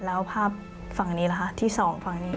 แล้วภาพฝั่งนี้ล่ะคะที่สองฝั่งนี้